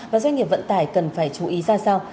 và doanh nghiệp vận tải cần phải chú ý ra sao